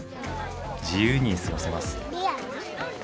自由に過ごせます。